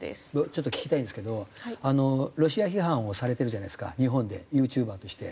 ちょっと聞きたいんですけどロシア批判をされてるじゃないですか日本でユーチューバーとして。